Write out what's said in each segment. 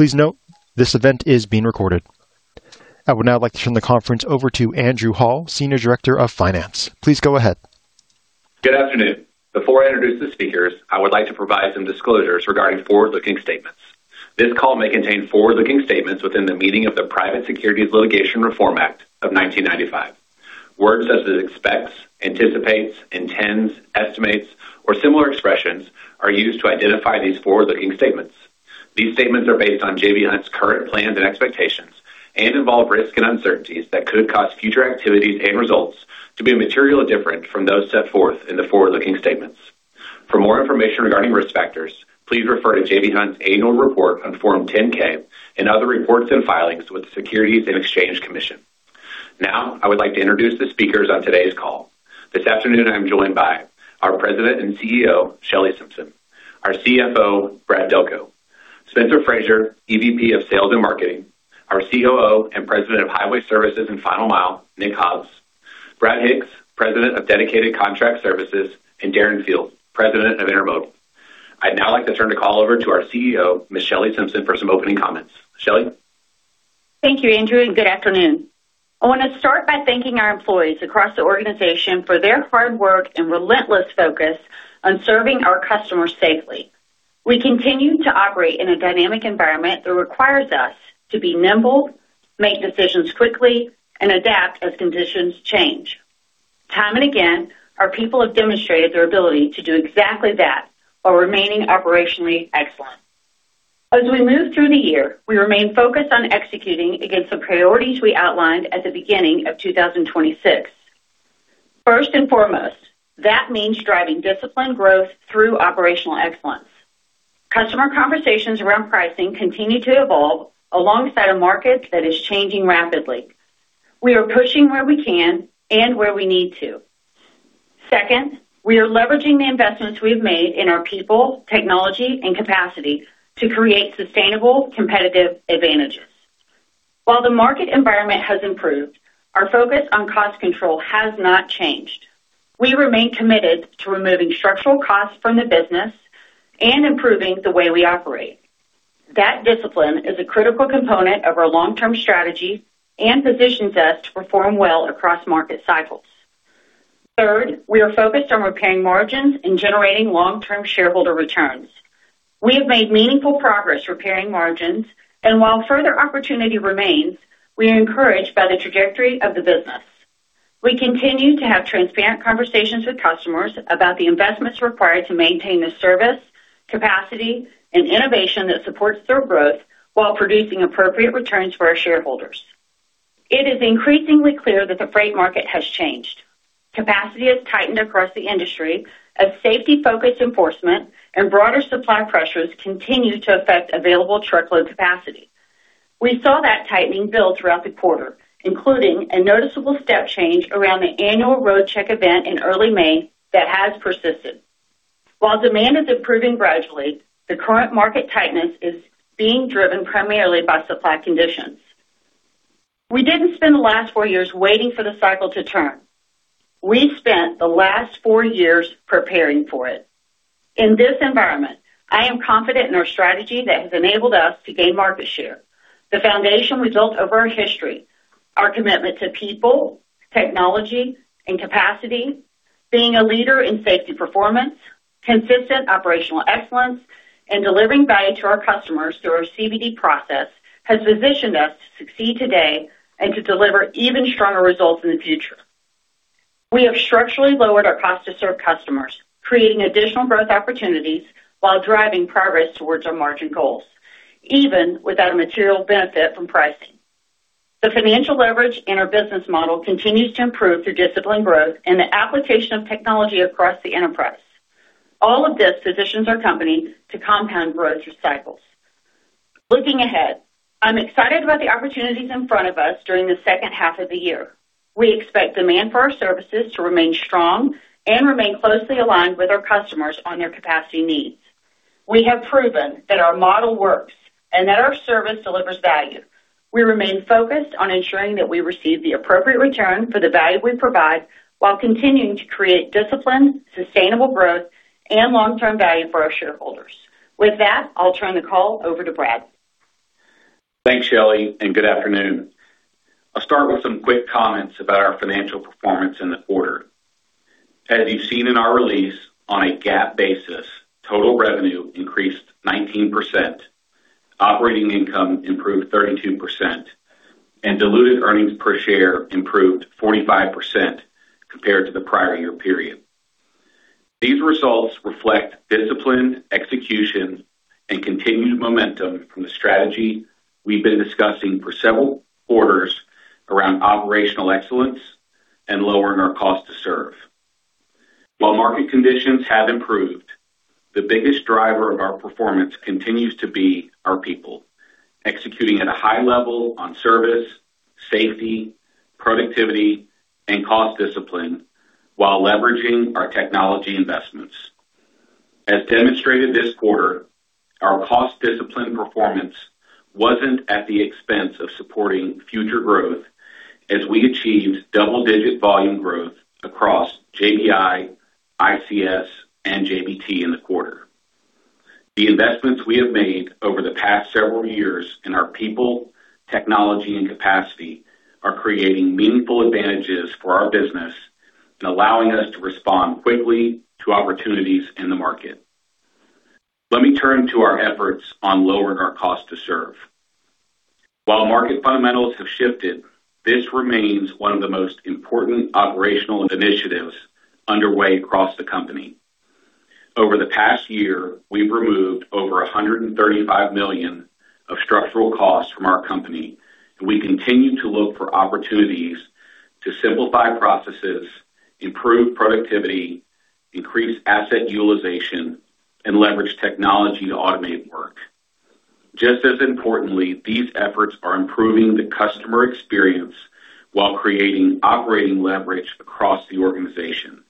Please note, this event is being recorded. I would now like to turn the conference over to Andrew Hall, Senior Director of Finance. Please go ahead. Good afternoon. Before I introduce the speakers, I would like to provide some disclosures regarding forward-looking statements. This call may contain forward-looking statements within the meaning of the Private Securities Litigation Reform Act of 1995. Words such as expects, anticipates, intends, estimates, or similar expressions are used to identify these forward-looking statements. These statements are based on J.B. Hunt's current plans and expectations and involve risks and uncertainties that could cause future activities and results to be materially different from those set forth in the forward-looking statements. For more information regarding risk factors, please refer to J.B. Hunt's annual report on Form 10-K and other reports and filings with the Securities and Exchange Commission. I would like to introduce the speakers on today's call. This afternoon, I'm joined by our President and CEO, Shelley Simpson; our CFO, Brad Delco; Spencer Frazier, EVP of Sales and Marketing; our COO and President of Highway Services and Final Mile, Nick Hobbs; Brad Hicks, President of Dedicated Contract Services; and Darren Field, President of Intermodal. I'd like to turn the call over to our CEO, Ms. Shelley Simpson, for some opening comments. Shelley? Thank you, Andrew. Good afternoon. I want to start by thanking our employees across the organization for their hard work and relentless focus on serving our customers safely. We continue to operate in a dynamic environment that requires us to be nimble, make decisions quickly, and adapt as conditions change. Time and again, our people have demonstrated their ability to do exactly that while remaining operationally excellent. As we move through the year, we remain focused on executing against the priorities we outlined at the beginning of 2026. First and foremost, that means driving disciplined growth through operational excellence. Customer conversations around pricing continue to evolve alongside a market that is changing rapidly. We are pushing where we can and where we need to. Second, we are leveraging the investments we've made in our people, technology, and capacity to create sustainable competitive advantages. While the market environment has improved, our focus on cost control has not changed. We remain committed to removing structural costs from the business and improving the way we operate. That discipline is a critical component of our long-term strategy and positions us to perform well across market cycles. Third, we are focused on repairing margins and generating long-term shareholder returns. We have made meaningful progress repairing margins, and while further opportunity remains, we are encouraged by the trajectory of the business. We continue to have transparent conversations with customers about the investments required to maintain the service, capacity, and innovation that supports their growth while producing appropriate returns for our shareholders. It is increasingly clear that the freight market has changed. Capacity has tightened across the industry as safety-focused enforcement and broader supply pressures continue to affect available truckload capacity. We saw that tightening build throughout the quarter, including a noticeable step change around the annual road check event in early May that has persisted. While demand is improving gradually, the current market tightness is being driven primarily by supply conditions. We didn't spend the last four years waiting for the cycle to turn. We've spent the last four years preparing for it. In this environment, I am confident in our strategy that has enabled us to gain market share. The foundation we built over our history, our commitment to people, technology, and capacity, being a leader in safety performance, consistent operational excellence, and delivering value to our customers through our CVD process has positioned us to succeed today and to deliver even stronger results in the future. We have structurally lowered our cost to serve customers, creating additional growth opportunities while driving progress towards our margin goals, even without a material benefit from pricing. The financial leverage in our business model continues to improve through disciplined growth and the application of technology across the enterprise. All of this positions our company to compound growth through cycles. Looking ahead, I'm excited about the opportunities in front of us during the second half of the year. We expect demand for our services to remain strong and remain closely aligned with our customers on their capacity needs. We have proven that our model works and that our service delivers value. We remain focused on ensuring that we receive the appropriate return for the value we provide while continuing to create disciplined, sustainable growth and long-term value for our shareholders. With that, I'll turn the call over to Brad. Thanks, Shelley, and good afternoon. I'll start with some quick comments about our financial performance in the quarter. As you've seen in our release, on a GAAP basis, total revenue increased 19%, operating income improved 32%, and diluted earnings per share improved 45% compared to the prior year period. These results reflect disciplined execution and continued momentum from the strategy we've been discussing for several quarters around operational excellence and lowering our cost to serve. While market conditions have improved, the biggest driver of our performance continues to be our people, executing at a high level on service, safety, productivity, and cost discipline while leveraging our technology investments. As demonstrated this quarter, our cost discipline performance wasn't at the expense of supporting future growth. We achieved double-digit volume growth across JBI, ICS, and JBT in the quarter. The investments we have made over the past several years in our people, technology and capacity are creating meaningful advantages for our business and allowing us to respond quickly to opportunities in the market. Let me turn to our efforts on lowering our cost to serve. While market fundamentals have shifted, this remains one of the most important operational initiatives underway across the company. Over the past year, we've removed over $135 million of structural costs from our company, and we continue to look for opportunities to simplify processes, improve productivity, increase asset utilization, and leverage technology to automate work. Just as importantly, these efforts are improving the customer experience while creating operating leverage across the organization.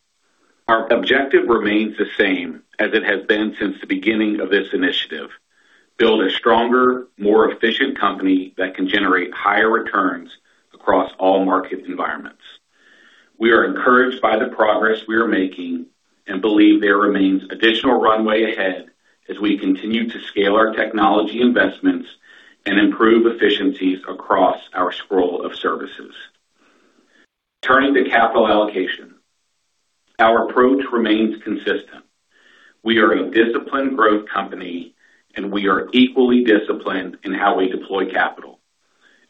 Our objective remains the same as it has been since the beginning of this initiative. Build a stronger, more efficient company that can generate higher returns across all market environments. We are encouraged by the progress we are making and believe there remains additional runway ahead as we continue to scale our technology investments and improve efficiencies across our suite of services. Turning to capital allocation. Our approach remains consistent. We are a disciplined growth company, and we are equally disciplined in how we deploy capital.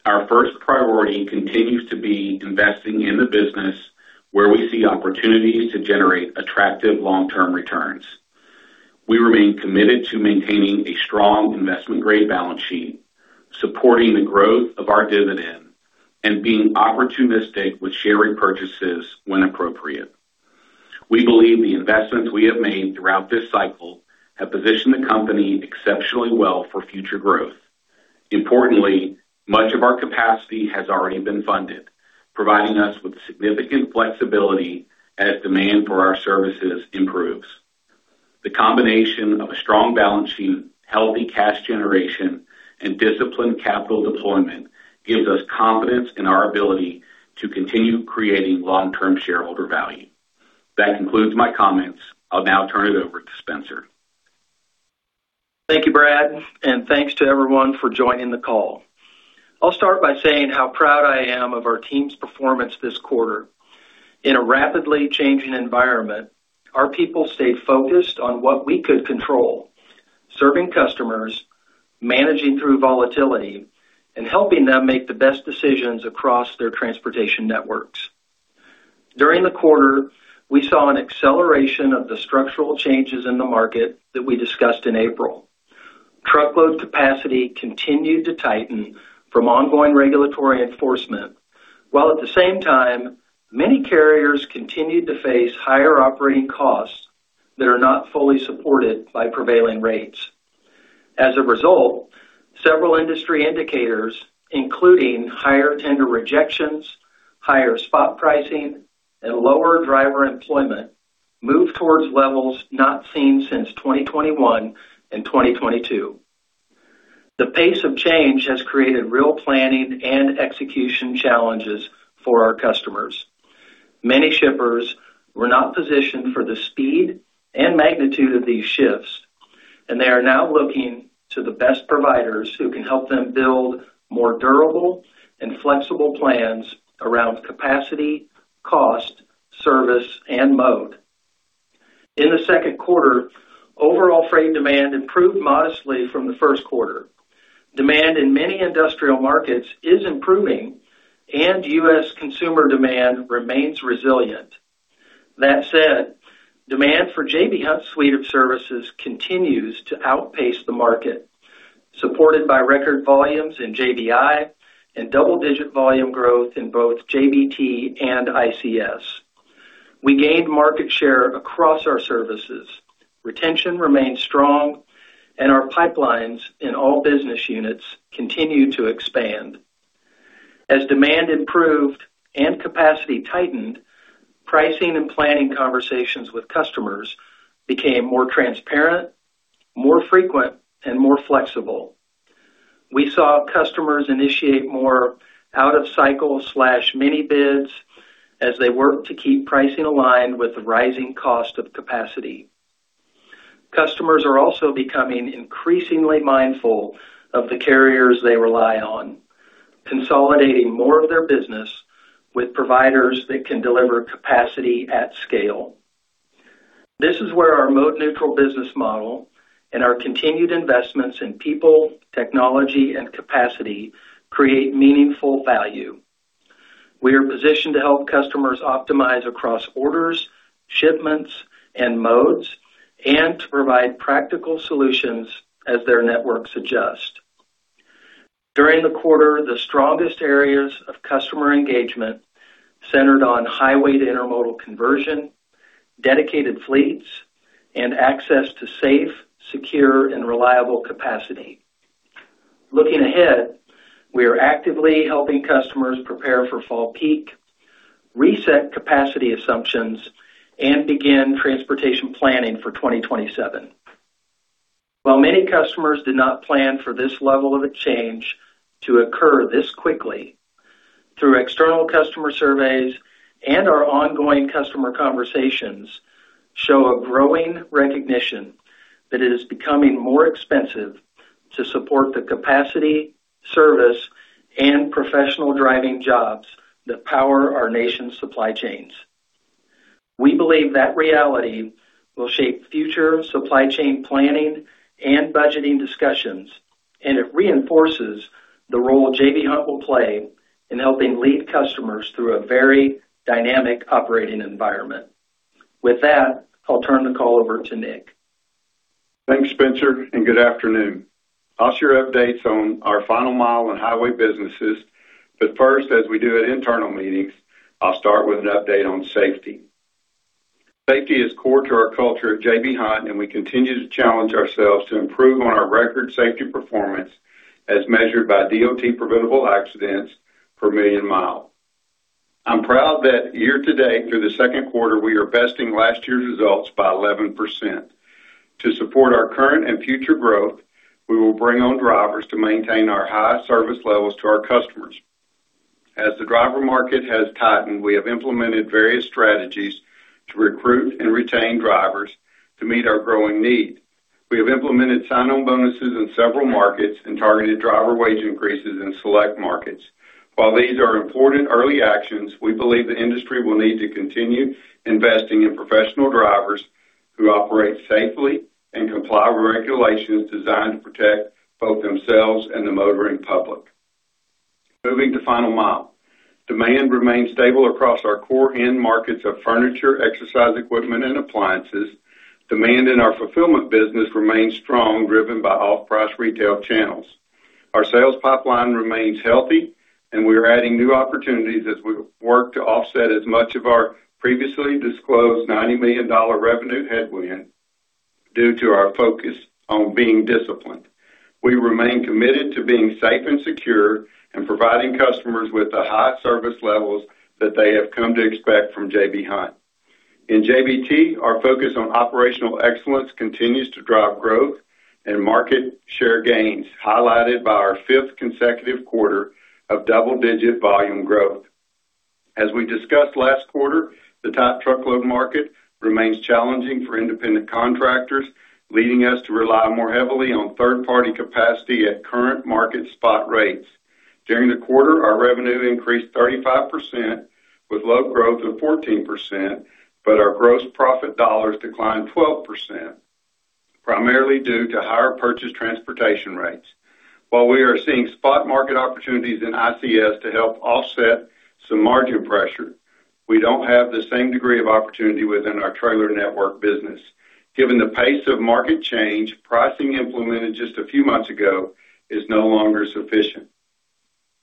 Our first priority continues to be investing in the business where we see opportunities to generate attractive long-term returns. We remain committed to maintaining a strong investment-grade balance sheet, supporting the growth of our dividend, and being opportunistic with share repurchases when appropriate. We believe the investments we have made throughout this cycle have positioned the company exceptionally well for future growth. Importantly, much of our capacity has already been funded, providing us with significant flexibility as demand for our services improves. The combination of a strong balance sheet, healthy cash generation, and disciplined capital deployment gives us confidence in our ability to continue creating long-term shareholder value. That concludes my comments. I'll now turn it over to Spencer. Thank you, Brad, thanks to everyone for joining the call. I'll start by saying how proud I am of our team's performance this quarter. In a rapidly changing environment, our people stayed focused on what we could control, serving customers, managing through volatility, and helping them make the best decisions across their transportation networks. During the quarter, we saw an acceleration of the structural changes in the market that we discussed in April. Truckload capacity continued to tighten from ongoing regulatory enforcement, while at the same time, many carriers continued to face higher operating costs that are not fully supported by prevailing rates. As a result, several industry indicators, including higher tender rejections, higher spot pricing, and lower driver employment, moved towards levels not seen since 2021 and 2022. The pace of change has created real planning and execution challenges for our customers. Many shippers were not positioned for the speed and magnitude of these shifts, and they are now looking to the best providers who can help them build more durable and flexible plans around capacity, cost, service, and mode. In the second quarter, overall freight demand improved modestly from the first quarter. Demand in many industrial markets is improving, and U.S. consumer demand remains resilient. That said, demand for J.B. Hunt's suite of services continues to outpace the market, supported by record volumes in JBI and double-digit volume growth in both JBT and ICS. We gained market share across our services. Retention remains strong, and our pipelines in all business units continue to expand. As demand improved and capacity tightened, pricing and planning conversations with customers became more transparent, more frequent, and more flexible. We saw customers initiate more out-of-cycle/mini bids as they work to keep pricing aligned with the rising cost of capacity. Customers are also becoming increasingly mindful of the carriers they rely on, consolidating more of their business with providers that can deliver capacity at scale. This is where our mode-neutral business model and our continued investments in people, technology, and capacity create meaningful value. We are positioned to help customers optimize across orders, shipments, and modes, and to provide practical solutions as their networks adjust. During the quarter, the strongest areas of customer engagement centered on highway-to-Intermodal conversion, dedicated fleets, and access to safe, secure, and reliable capacity. Looking ahead, we are actively helping customers prepare for fall peak, reset capacity assumptions, and begin transportation planning for 2027. While many customers did not plan for this level of a change to occur this quickly, through external customer surveys and our ongoing customer conversations, show a growing recognition that it is becoming more expensive to support the capacity, service, and professional driving jobs that power our nation's supply chains. We believe that reality will shape future supply chain planning and budgeting discussions, and it reinforces the role J.B. Hunt will play in helping lead customers through a very dynamic operating environment. With that, I'll turn the call over to Nick. Thanks, Spencer, and good afternoon. I'll share updates on our Final Mile and Highway businesses. First, as we do at internal meetings, I'll start with an update on safety. Safety is core to our culture at J.B. Hunt, and we continue to challenge ourselves to improve on our record safety performance as measured by DOT preventable accidents per million miles. I'm proud that year to date through the second quarter, we are besting last year's results by 11%. To support our current and future growth, we will bring on drivers to maintain our high service levels to our customers. As the driver market has tightened, we have implemented various strategies to recruit and retain drivers to meet our growing need. We have implemented sign-on bonuses in several markets and targeted driver wage increases in select markets. While these are important early actions, we believe the industry will need to continue investing in professional drivers who operate safely and comply with regulations designed to protect both themselves and the motoring public. Moving to Final Mile. Demand remains stable across our core end markets of furniture, exercise equipment, and appliances. Demand in our fulfillment business remains strong, driven by off-price retail channels. Our sales pipeline remains healthy, and we are adding new opportunities as we work to offset as much of our previously disclosed $90 million revenue headwind due to our focus on being disciplined. We remain committed to being safe and secure and providing customers with the high service levels that they have come to expect from J.B. Hunt. In JBT, our focus on operational excellence continues to drive growth and market share gains, highlighted by our fifth consecutive quarter of double-digit volume growth. As we discussed last quarter, the top truckload market remains challenging for independent contractors, leading us to rely more heavily on third-party capacity at current market spot rates. During the quarter, our revenue increased 35%, with load growth of 14%, but our gross profit dollars declined 12%, primarily due to higher purchase transportation rates. While we are seeing spot market opportunities in ICS to help offset some margin pressure, we don't have the same degree of opportunity within our trailer network business. Given the pace of market change, pricing implemented just a few months ago is no longer sufficient.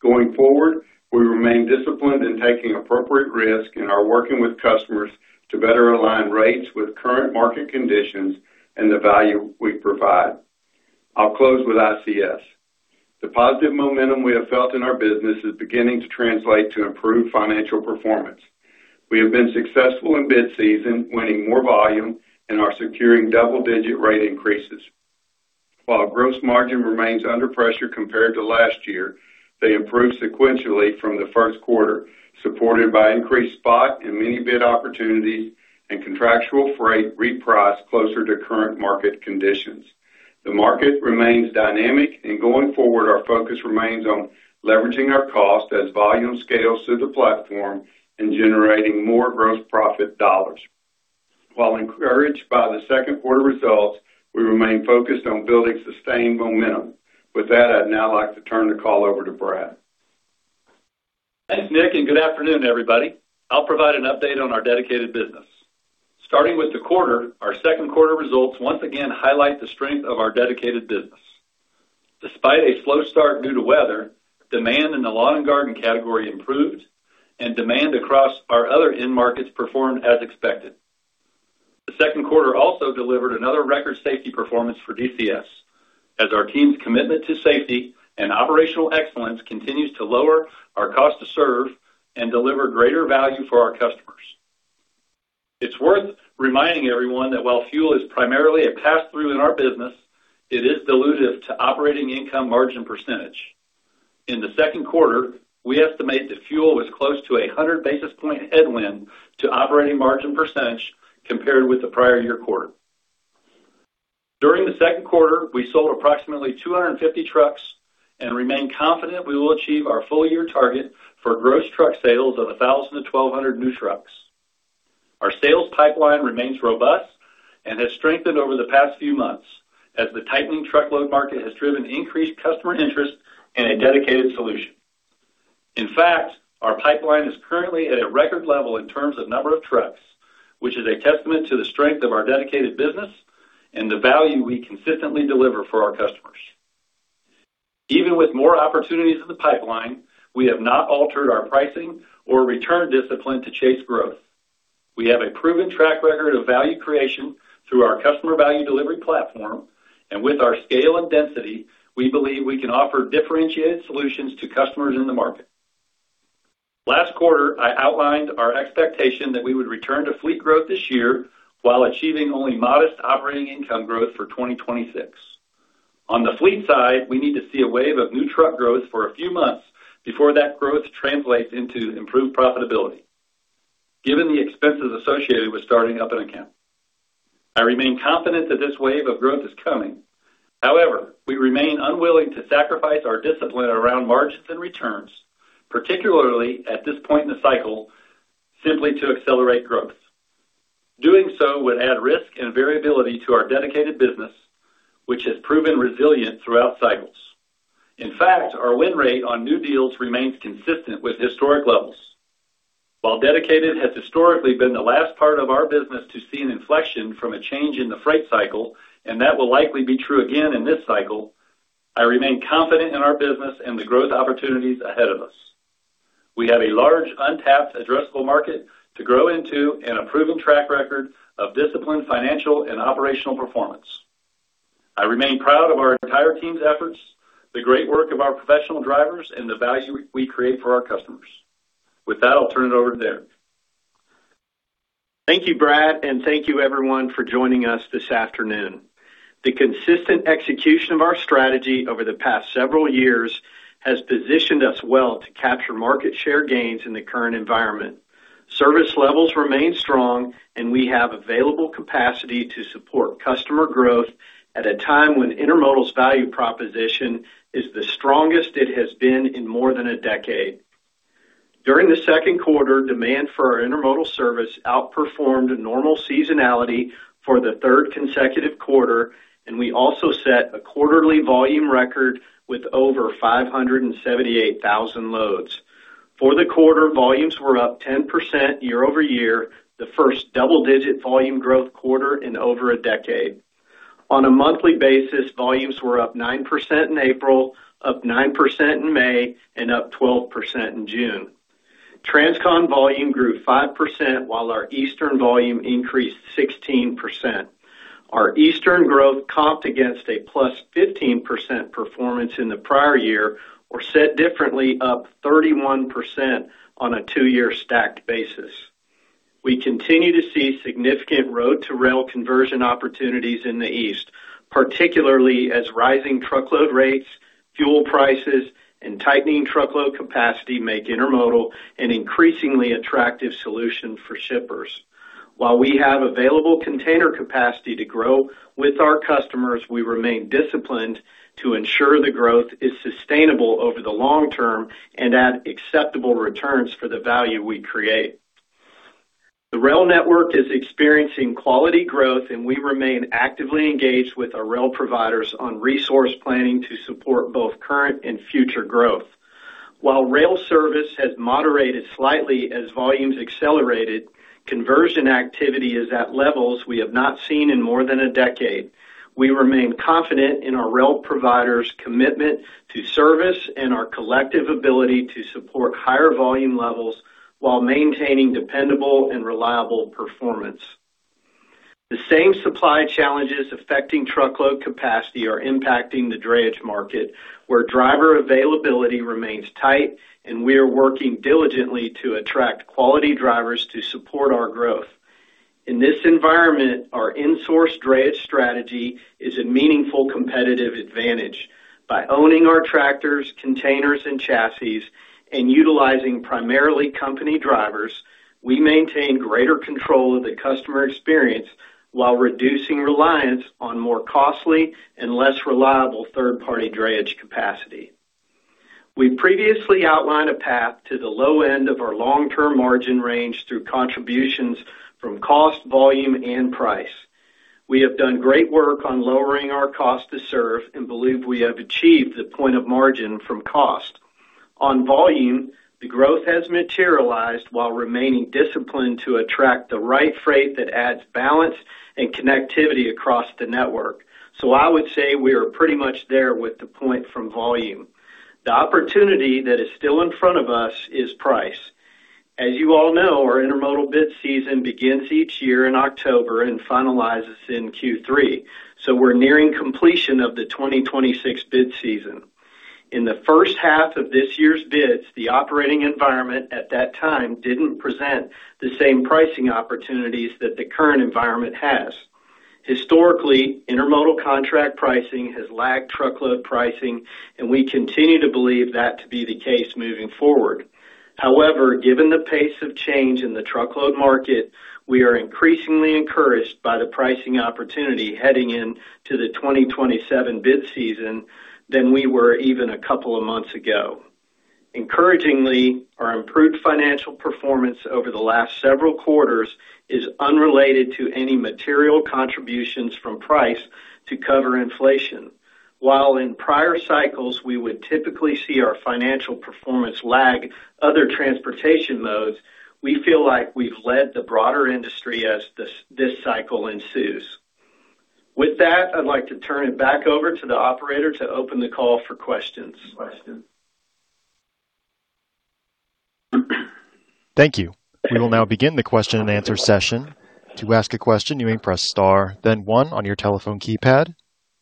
Going forward, we remain disciplined in taking appropriate risk and are working with customers to better align rates with current market conditions and the value we provide. I'll close with ICS. The positive momentum we have felt in our business is beginning to translate to improved financial performance. We have been successful in bid season, winning more volume and are securing double-digit rate increases. While gross margin remains under pressure compared to last year, they improved sequentially from the first quarter, supported by increased spot and mini bid opportunities and contractual freight repriced closer to current market conditions. The market remains dynamic. Going forward, our focus remains on leveraging our cost as volume scales through the platform and generating more gross profit dollars. While encouraged by the second quarter results, we remain focused on building sustained momentum. With that, I'd now like to turn the call over to Brad. Thanks, Nick, and good afternoon, everybody. I'll provide an update on our dedicated business. Starting with the quarter, our second quarter results once again highlight the strength of our dedicated business. Despite a slow start due to weather, demand in the lawn and garden category improved, and demand across our other end markets performed as expected. The second quarter also delivered another record safety performance for DCS, as our team's commitment to safety and operational excellence continues to lower our cost to serve and deliver greater value for our customers. It's worth reminding everyone that while fuel is primarily a pass-through in our business, it is dilutive to operating income margin percentage. In the second quarter, we estimate that fuel was close to a 100 basis point headwind to operating margin percentage compared with the prior year quarter. During the second quarter, we sold approximately 250 trucks and remain confident we will achieve our full-year target for gross truck sales of 1,000 to 1,200 new trucks. Our sales pipeline remains robust and has strengthened over the past few months as the tightening truckload market has driven increased customer interest in a dedicated solution. In fact, our pipeline is currently at a record level in terms of number of trucks, which is a testament to the strength of our dedicated business and the value we consistently deliver for our customers. Even with more opportunities in the pipeline, we have not altered our pricing or return discipline to chase growth. We have a proven track record of value creation through our Customer Value Delivery platform, and with our scale and density, we believe we can offer differentiated solutions to customers in the market. Last quarter, I outlined our expectation that we would return to fleet growth this year while achieving only modest operating income growth for 2026. On the fleet side, we need to see a wave of new truck growth for a few months before that growth translates into improved profitability, given the expenses associated with starting up an account. I remain confident that this wave of growth is coming. We remain unwilling to sacrifice our discipline around margins and returns, particularly at this point in the cycle, simply to accelerate growth. Doing so would add risk and variability to our dedicated business, which has proven resilient throughout cycles. In fact, our win rate on new deals remains consistent with historic levels. While dedicated has historically been the last part of our business to see an inflection from a change in the freight cycle, and that will likely be true again in this cycle, I remain confident in our business and the growth opportunities ahead of us. We have a large untapped addressable market to grow into and a proven track record of disciplined financial and operational performance. I remain proud of our entire team's efforts, the great work of our professional drivers, and the value we create for our customers. With that, I'll turn it over to Darren. Thank you, Brad, and thank you, everyone, for joining us this afternoon. The consistent execution of our strategy over the past several years has positioned us well to capture market share gains in the current environment. Service levels remain strong, and we have available capacity to support customer growth at a time when Intermodal's value proposition is the strongest it has been in more than a decade. During the second quarter, demand for our Intermodal service outperformed normal seasonality for the third consecutive quarter, and we also set a quarterly volume record with over 578,000 loads. For the quarter, volumes were up 10% year-over-year, the first double-digit volume growth quarter in over a decade. On a monthly basis, volumes were up 9% in April, up 9% in May, and up 12% in June. Transcon volume grew 5%, while our Eastern volume increased 16%. Our Eastern growth comped against a +15% performance in the prior year, or said differently, up 31% on a two-year stacked basis. We continue to see significant road-to-rail conversion opportunities in the East, particularly as rising truckload rates, fuel prices, and tightening truckload capacity make Intermodal an increasingly attractive solution for shippers. While we have available container capacity to grow with our customers, we remain disciplined to ensure the growth is sustainable over the long term and at acceptable returns for the value we create. The rail network is experiencing quality growth, and we remain actively engaged with our rail providers on resource planning to support both current and future growth. While rail service has moderated slightly as volumes accelerated, conversion activity is at levels we have not seen in more than a decade. We remain confident in our rail providers' commitment to service and our collective ability to support higher volume levels while maintaining dependable and reliable performance. The same supply challenges affecting truckload capacity are impacting the drayage market, where driver availability remains tight, and we are working diligently to attract quality drivers to support our growth. In this environment, our insourced drayage strategy is a meaningful competitive advantage. By owning our tractors, containers, and chassis and utilizing primarily company drivers, we maintain greater control of the customer experience while reducing reliance on more costly and less reliable third-party drayage capacity. We previously outlined a path to the low end of our long-term margin range through contributions from cost, volume, and price. We have done great work on lowering our cost to serve and believe we have achieved the point of margin from cost. On volume, the growth has materialized while remaining disciplined to attract the right freight that adds balance and connectivity across the network. I would say we are pretty much there with the point from volume. The opportunity that is still in front of us is price. As you all know, our Intermodal bid season begins each year in October and finalizes in Q3, we're nearing completion of the 2025 bid season. In the first half of this year's bids, the operating environment at that time didn't present the same pricing opportunities that the current environment has. Historically, Intermodal contract pricing has lagged truckload pricing, and we continue to believe that to be the case moving forward. Given the pace of change in the truckload market, we are increasingly encouraged by the pricing opportunity heading into the 2027 bid season than we were even a couple of months ago. Encouragingly, our improved financial performance over the last several quarters is unrelated to any material contributions from price to cover inflation. While in prior cycles, we would typically see our financial performance lag other transportation modes, we feel like we've led the broader industry as this cycle ensues. I'd like to turn it back over to the operator to open the call for questions. Thank you. We will now begin the question and answer session. To ask a question, you may press star, then one on your telephone keypad.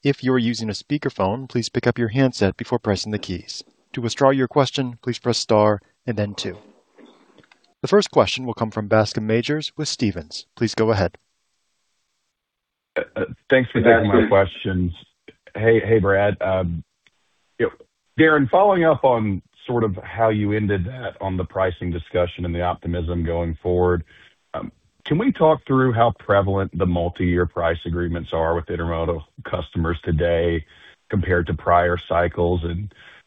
If you are using a speakerphone, please pick up your handset before pressing the keys. To withdraw your question, please press star and then two. The first question will come from Bascome Majors with Stephens. Please go ahead. Thanks for taking my questions. Hey, Brad. Darren, following up on sort of how you ended that on the pricing discussion and the optimism going forward, can we talk through how prevalent the multi-year price agreements are with Intermodal customers today compared to prior cycles?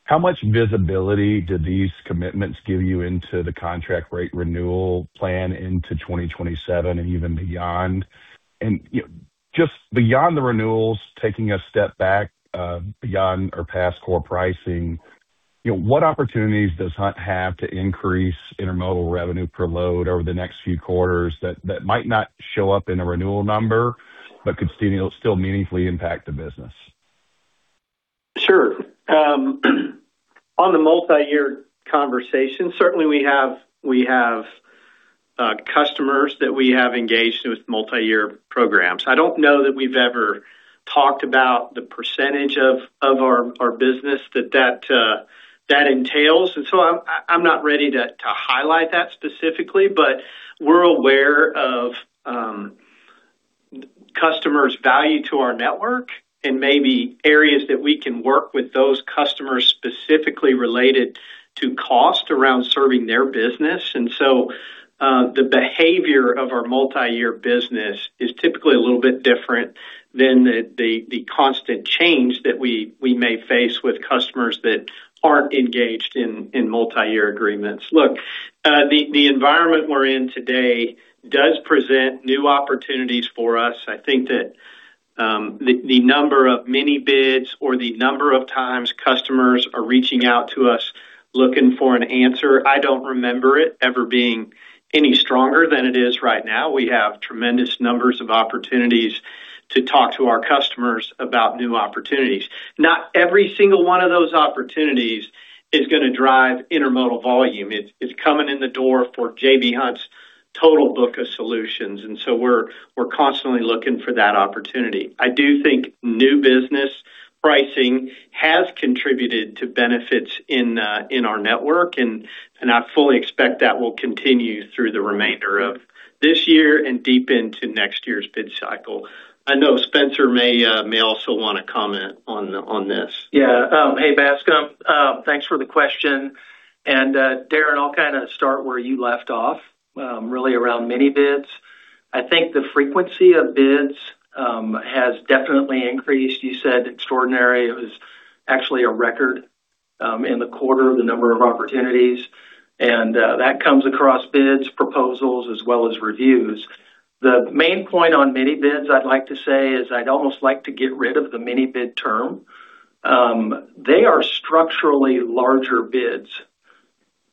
How much visibility do these commitments give you into the contract rate renewal plan into 2027 and even beyond? Just beyond the renewals, taking a step back beyond or past core pricing, what opportunities does Hunt have to increase Intermodal revenue per load over the next few quarters that might not show up in a renewal number but could still meaningfully impact the business? Sure. On the multi-year conversation, certainly we have customers that we have engaged with multi-year programs. I don't know that we've ever talked about the percentage of our business that entails. I'm not ready to highlight that specifically. We're aware of customers' value to our network and maybe areas that we can work with those customers specifically related to cost around serving their business. The behavior of our multi-year business is typically a little bit different than the constant change that we may face with customers that aren't engaged in multi-year agreements. Look, the environment we're in today does present new opportunities for us. I think that the number of mini-bids or the number of times customers are reaching out to us looking for an answer, I don't remember it ever being any stronger than it is right now. We have tremendous numbers of opportunities to talk to our customers about new opportunities. Not every single one of those opportunities is going to drive Intermodal volume. It's coming in the door for J.B. Hunt's total book of solutions. We're constantly looking for that opportunity. I do think new business pricing has contributed to benefits in our network. I fully expect that will continue through the remainder of this year and deep into next year's bid cycle. I know Spencer may also want to comment on this. Yeah. Hey, Bascome. Thanks for the question. Darren, I'll start where you left off, really around mini-bids. I think the frequency of bids has definitely increased. You said extraordinary. It was actually a record in the quarter, the number of opportunities, and that comes across bids, proposals, as well as reviews. The main point on mini-bids I'd like to say is I'd almost like to get rid of the mini-bid term. They are structurally larger bids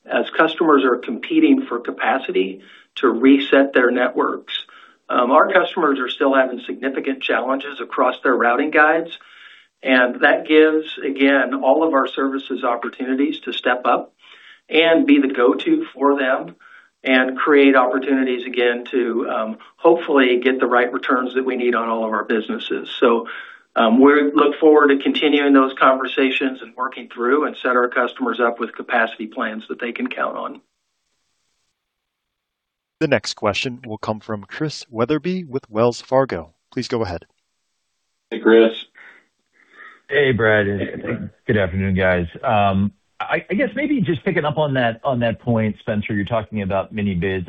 as customers are competing for capacity to reset their networks. Our customers are still having significant challenges across their routing guides, and that gives, again, all of our services opportunities to step up and be the go-to for them and create opportunities again to hopefully get the right returns that we need on all of our businesses. We look forward to continuing those conversations and working through and set our customers up with capacity plans that they can count on. The next question will come from Chris Wetherbee with Wells Fargo. Please go ahead. Hey, Chris. Hey, Brad. Good afternoon, guys. Picking up on that point, Spencer, you're talking about mini-bids.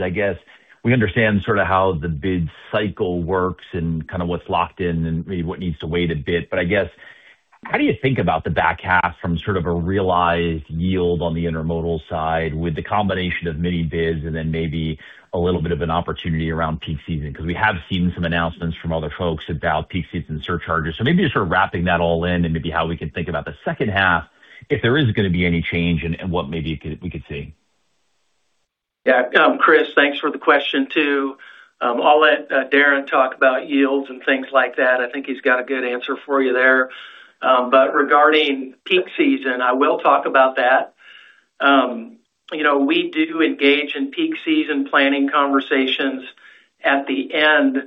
We understand sort of how the bid cycle works and what's locked in and maybe what needs to wait a bit. How do you think about the back half from sort of a realized yield on the Intermodal side with the combination of mini-bids and then maybe a little bit of an opportunity around peak season? We have seen some announcements from other folks about peak season surcharges. Wrapping that all in and maybe how we can think about the second half, if there is going to be any change and what maybe we could see. Chris, thanks for the question, too. I'll let Darren talk about yields and things like that. I think he's got a good answer for you there. Regarding peak season, I will talk about that. We do engage in peak season planning conversations at the end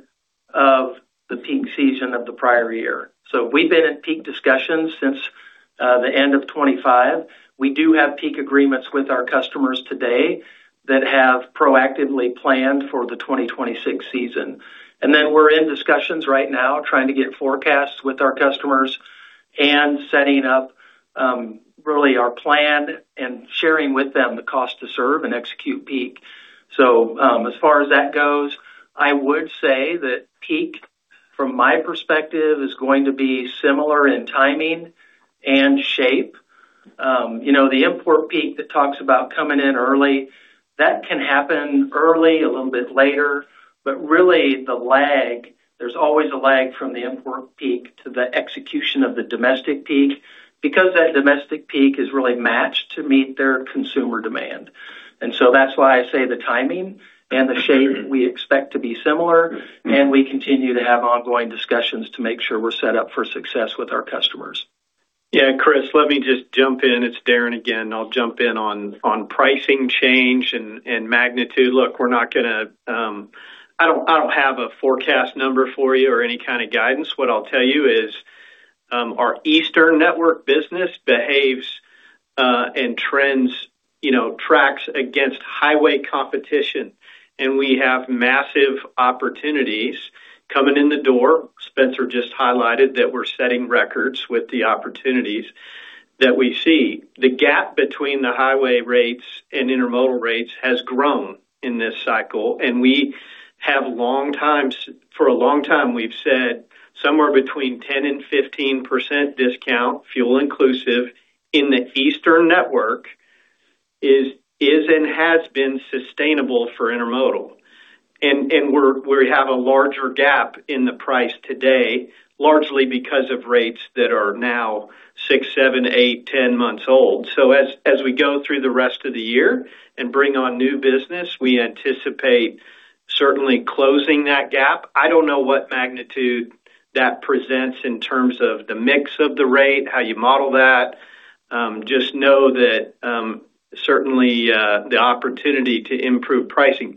of the peak season of the prior year. We've been in peak discussions since the end of 2025. We do have peak agreements with our customers today that have proactively planned for the 2026 season. We're in discussions right now trying to get forecasts with our customers and setting up really our plan and sharing with them the cost to serve and execute peak. As far as that goes, I would say that peak, from my perspective, is going to be similar in timing and shape. The import peak that talks about coming in early, that can happen early, a little bit later, but really the lag, there's always a lag from the import peak to the execution of the domestic peak, because that domestic peak is really matched to meet their consumer demand. That's why I say the timing and the shape, we expect to be similar, and we continue to have ongoing discussions to make sure we're set up for success with our customers. Chris, let me just jump in. It's Darren again. I'll jump in on pricing change and magnitude. Look, I don't have a forecast number for you or any kind of guidance. What I'll tell you is, our eastern network business behaves, and trends, tracks against highway competition, and we have massive opportunities coming in the door. Spencer just highlighted that we're setting records with the opportunities that we see. The gap between the highway rates and Intermodal rates has grown in this cycle, and for a long time, we've said somewhere between 10% and 15% discount, fuel inclusive, in the eastern network is and has been sustainable for Intermodal. We have a larger gap in the price today, largely because of rates that are now six, seven, eight, 10 months old. As we go through the rest of the year and bring on new business, we anticipate certainly closing that gap. I don't know what magnitude that presents in terms of the mix of the rate, how you model that. Just know that, certainly, the opportunity to improve pricing.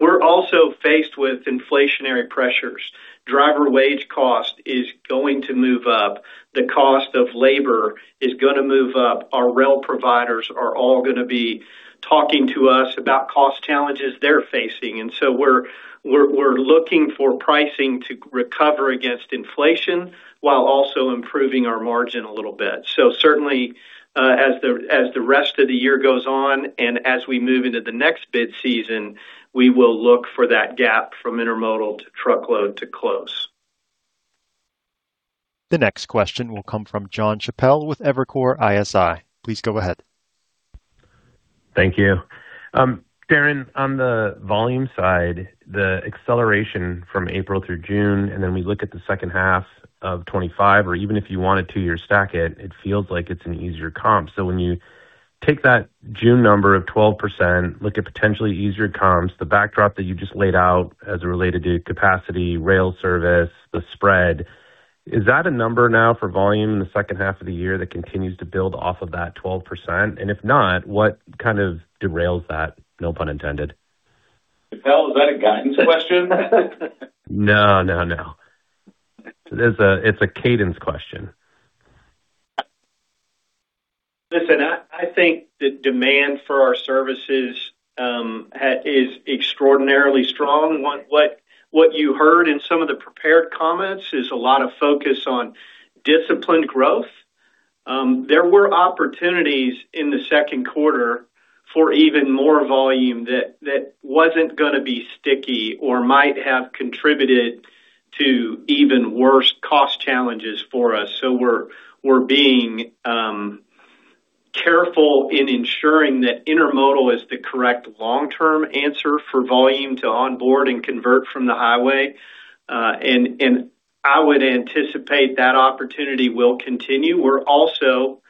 We're also faced with inflationary pressures. Driver wage cost is going to move up. The cost of labor is going to move up. Our rail providers are all going to be talking to us about cost challenges they're facing. We're looking for pricing to recover against inflation while also improving our margin a little bit. Certainly, as the rest of the year goes on, and as we move into the next bid season, we will look for that gap from Intermodal to truckload to close. The next question will come from Jon Chappell with Evercore ISI. Please go ahead. Thank you. Darren, on the volume side, the acceleration from April through June, and then we look at the second half of 2025, or even if you want to two-year stack it feels like it's an easier comp. When you take that June number of 12%, look at potentially easier comps, the backdrop that you just laid out as it related to capacity, rail service, the spread, is that a number now for volume in the second half of the year that continues to build off of that 12%? If not, what kind of derails that? No pun intended. Jon, is that a guidance question? No. It's a cadence question. Listen, I think the demand for our services is extraordinarily strong. What you heard in some of the prepared comments is a lot of focus on disciplined growth. There were opportunities in the second quarter for even more volume that wasn't going to be sticky or might have contributed to even worse cost challenges for us. We're being careful in ensuring that Intermodal is the correct long-term answer for volume to onboard and convert from the highway. I would anticipate that opportunity will continue. We're also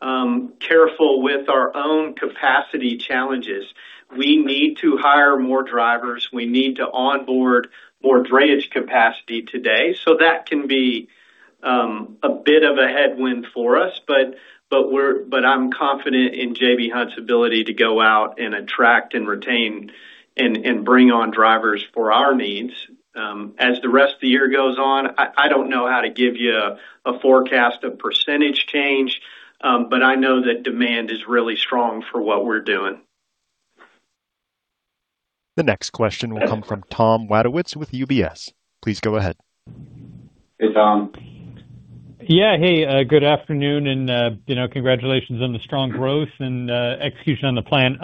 careful with our own capacity challenges. We need to hire more drivers. We need to onboard more drayage capacity today. That can be a bit of a headwind for us, but I'm confident in J.B. Hunt's ability to go out and attract and retain and bring on drivers for our needs. As the rest of the year goes on, I don't know how to give you a forecast of percentage change, but I know that demand is really strong for what we're doing. The next question will come from Tom Wadewitz with UBS. Please go ahead. Hey, Tom. Hey, good afternoon. Congratulations on the strong growth and execution on the plan.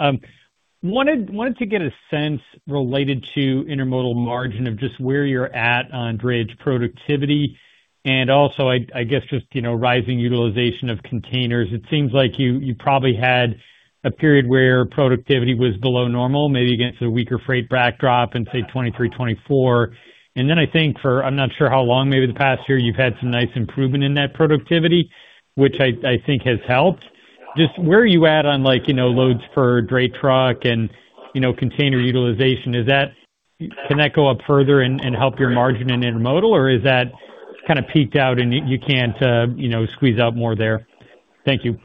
Wanted to get a sense related to Intermodal margin of just where you're at on drayage productivity and also, I guess, just rising utilization of containers. It seems like you probably had a period where productivity was below normal, maybe against a weaker freight backdrop in, say, 2023, 2024. I think for, I'm not sure how long, maybe the past year, you've had some nice improvement in that productivity, which I think has helped. Just where are you at on loads per dray truck and container utilization? Can that go up further and help your margin in Intermodal, or is that kind of peaked out and you can't squeeze out more there? Thank you.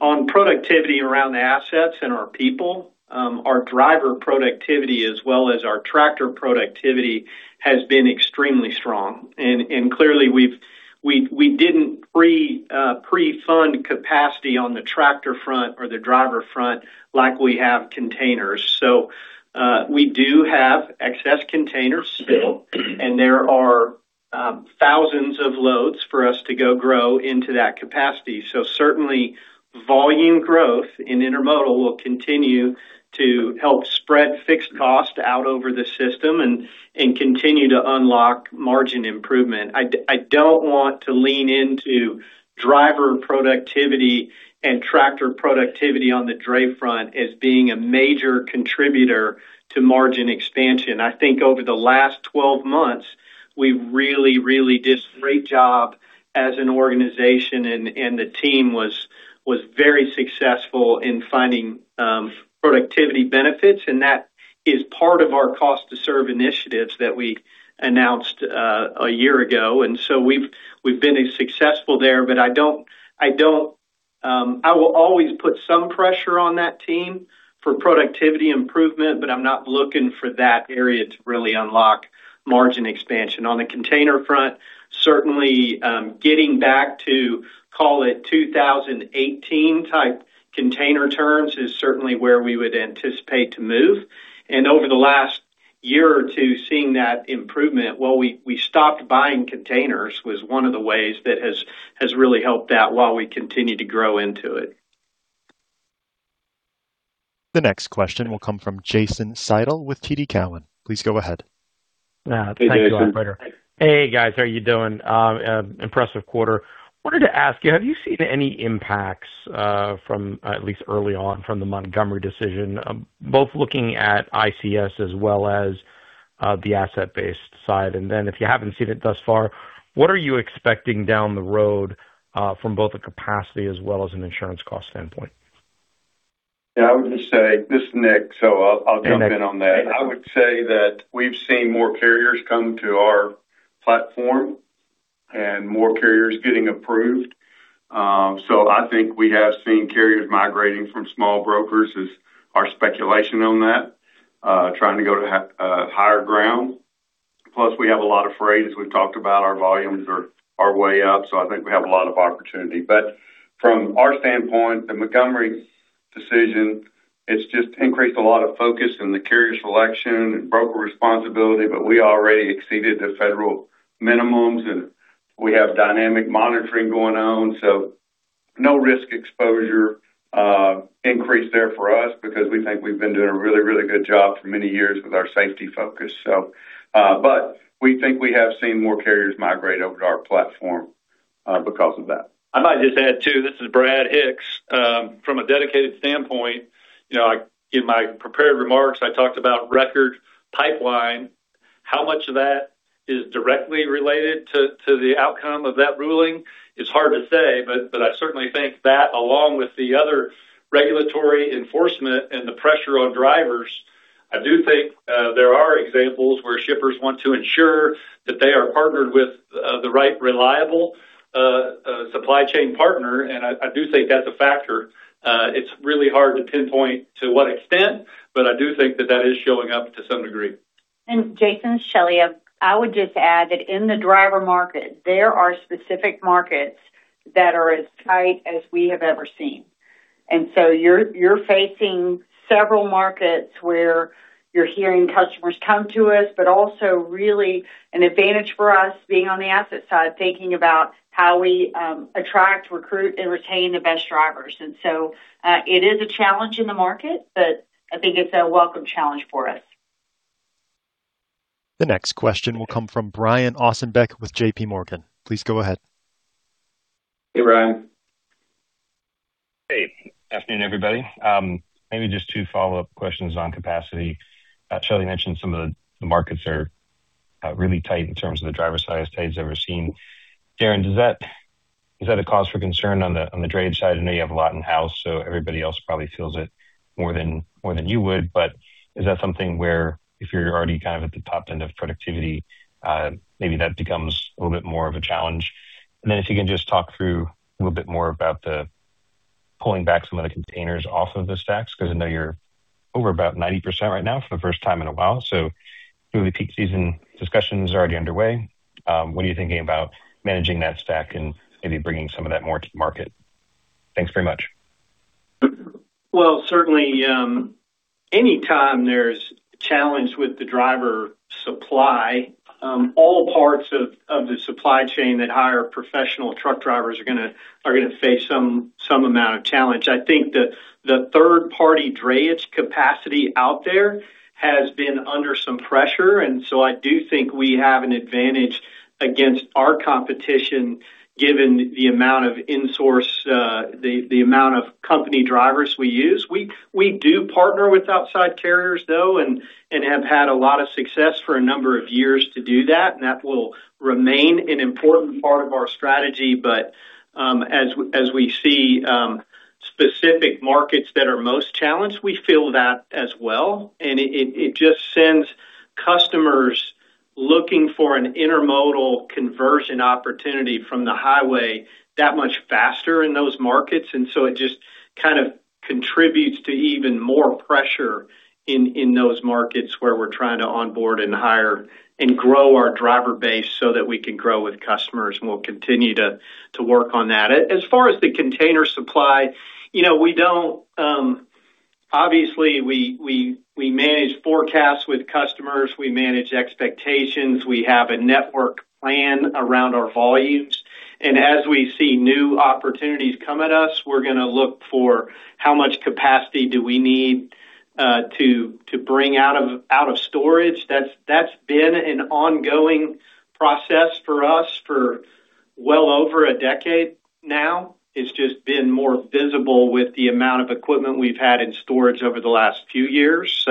On productivity around assets and our people, our driver productivity as well as our tractor productivity has been extremely strong. Clearly, we didn't pre-fund capacity on the tractor front or the driver front like we have containers. We do have excess containers still, and there are thousands of loads for us to go grow into that capacity. Certainly, volume growth in Intermodal will continue to help spread fixed cost out over the system and continue to unlock margin improvement. I don't want to lean into driver productivity and tractor productivity on the dray front as being a major contributor to margin expansion. I think over the last 12 months, we really did a great job as an organization, and the team was very successful in finding productivity benefits, and that is part of our cost to serve initiatives that we announced a year ago. We've been successful there, but I will always put some pressure on that team for productivity improvement, but I'm not looking for that area to really unlock margin expansion. On the container front, certainly, getting back to call it 2018 type container terms is certainly where we would anticipate to move. Over the last year or two, seeing that improvement, well, we stopped buying containers, was one of the ways that has really helped out while we continue to grow into it. The next question will come from Jason Seidl with TD Cowen. Please go ahead. Hey, guys. How are you doing? Impressive quarter. Wanted to ask you, have you seen any impacts from, at least early on, from the Montgomery decision, both looking at ICS as well as the asset-based side? If you haven't seen it thus far, what are you expecting down the road from both a capacity as well as an insurance cost standpoint? I would just say This is Nick, I'll jump in on that. I would say that we've seen more carriers come to our platform and more carriers getting approved. I think we have seen carriers migrating from small brokers, is our speculation on that, trying to go to higher ground. Plus, we have a lot of freight. As we've talked about, our volumes are way up, I think we have a lot of opportunity. From our standpoint, the Montgomery decision, it's just increased a lot of focus in the carrier selection and broker responsibility, we already exceeded the federal minimums, and we have dynamic monitoring going on. No risk exposure increase there for us because we think we've been doing a really good job for many years with our safety focus. We think we have seen more carriers migrate over to our platform because of that. I might just add, too. This is Brad Hicks. From a dedicated standpoint, in my prepared remarks, I talked about record pipeline. How much of that is directly related to the outcome of that ruling is hard to say, but I certainly think that along with the other regulatory enforcement and the pressure on drivers, I do think there are examples where shippers want to ensure that they are partnered with the right reliable supply chain partner. I do think that's a factor. It's really hard to pinpoint to what extent, but I do think that that is showing up to some degree. Jason, it's Shelley. I would just add that in the driver market, there are specific markets that are as tight as we have ever seen. You're facing several markets where you're hearing customers come to us, but also really an advantage for us being on the asset side, thinking about how we attract, recruit, and retain the best drivers. It is a challenge in the market, but I think it's a welcome challenge for us. The next question will come from Brian Ossenbeck with JPMorgan. Please go ahead. Hey, Brian. Hey. Afternoon, everybody. Maybe just two follow-up questions on capacity. Shelley mentioned some of the markets are really tight in terms of the driver side, as tight as you've ever seen. Darren, is that a cause for concern on the drayage side? I know you have a lot in-house, so everybody else probably feels it more than you would. Is that something where if you're already at the top end of productivity, maybe that becomes a little bit more of a challenge? If you can just talk through a little bit more about the pulling back some of the containers off of the stacks, because I know you're over about 90% right now for the first time in a while. Through the peak season, discussions are already underway. What are you thinking about managing that stack and maybe bringing some of that more to the market? Thanks very much. Well, certainly, anytime there's a challenge with the driver supply, all parts of the supply chain that hire professional truck drivers are going to face some amount of challenge. I think the third-party drayage capacity out there has been under some pressure. I do think we have an advantage against our competition given the amount of insource, the amount of company drivers we use. We do partner with outside carriers, though. Have had a lot of success for a number of years to do that. That will remain an important part of our strategy. As we see specific markets that are most challenged, we fill that as well. It just sends customers looking for an intermodal conversion opportunity from the highway that much faster in those markets. It just contributes to even more pressure in those markets where we're trying to onboard and hire and grow our driver base so that we can grow with customers. We'll continue to work on that. As far as the container supply, obviously, we manage forecasts with customers, we manage expectations, we have a network plan around our volumes. As we see new opportunities come at us, we're going to look for how much capacity do we need to bring out of storage. That's been an ongoing process for us for well over a decade now. It's just been more visible with the amount of equipment we've had in storage over the last few years.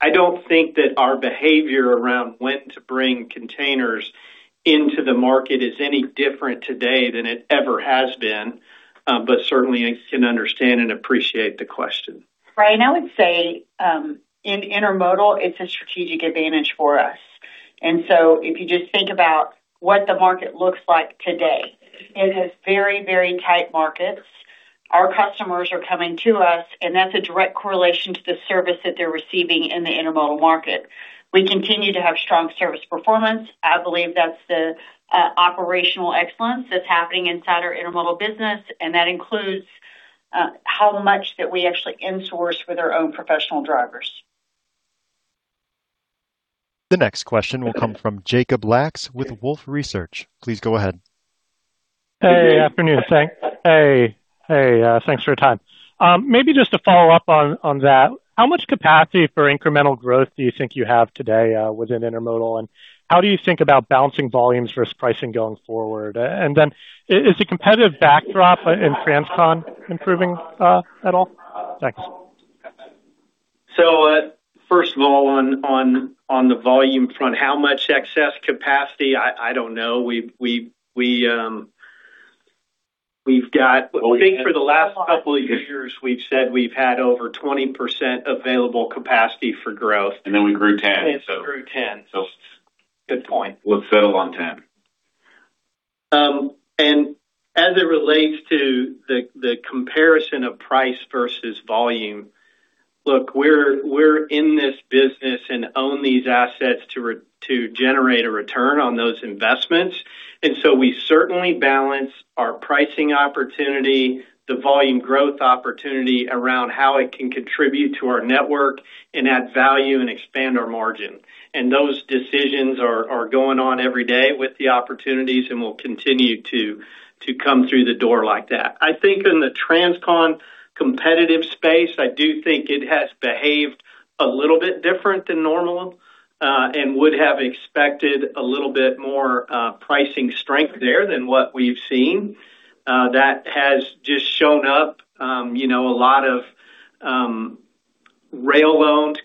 I don't think that our behavior around when to bring containers into the market is any different today than it ever has been. Certainly, I can understand and appreciate the question. Right. I would say, in intermodal, it's a strategic advantage for us. If you just think about what the market looks like today, it is very tight markets. Our customers are coming to us, and that's a direct correlation to the service that they're receiving in the intermodal market. We continue to have strong service performance. I believe that's the operational excellence that's happening inside our intermodal business, and that includes how much that we actually insource with our own professional drivers. The next question will come from Jacob Lacks with Wolfe Research. Please go ahead. Hey, afternoon. Hey. Thanks for your time. Maybe just to follow up on that, how much capacity for incremental growth do you think you have today within intermodal? How do you think about balancing volumes versus pricing going forward? Is the competitive backdrop in transcon improving at all? Thanks. First of all, on the volume front, how much excess capacity? I don't know. We've got, I think for the last couple of years, we've said we've had over 20% available capacity for growth. We grew 10%. Grew 10%. Good point. We'll settle on 10%. As it relates to the comparison of price versus volume, look, we're in this business and own these assets to generate a return on those investments. We certainly balance our pricing opportunity, the volume growth opportunity around how it can contribute to our network and add value and expand our margin. Those decisions are going on every day with the opportunities and will continue to come through the door like that. I think in the transcon competitive space, I do think it has behaved a little bit different than normal, and would have expected a little bit more pricing strength there than what we've seen. That has just shown up, a lot of rail-owned